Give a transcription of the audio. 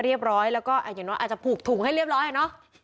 เรียบร้อยแล้วก็อย่างน้อยอาจจะผูกถุงให้เรียบร้อยอ่ะเนอะ